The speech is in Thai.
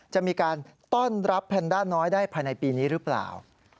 จะมีการต้อนรับแพนด้าน้อยได้ภายในปีนี้หรือเปล่า